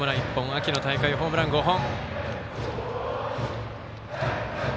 秋の大会ホームラン５本。